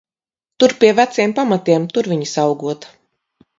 Tur pie veciem pamatiem, tur viņas augot.